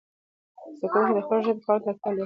زده کوونکي د خپلې ژبې کارونې ته اړتیا لري.